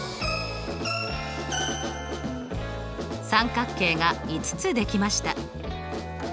三角形が５つ出来ました。